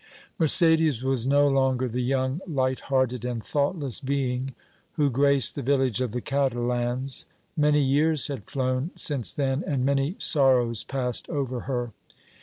Mercédès was no longer the young, light hearted and thoughtless being who graced the village of the Catalans. Many years had flown since then and many sorrows passed over her.